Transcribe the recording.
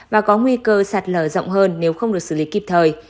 và có nguy cơ sạt lở rộng hơn nếu không được xử lý kịp thời